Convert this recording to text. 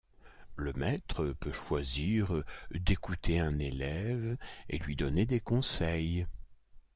Le maître peut choisir d'écouter un élève et lui donner des conseils.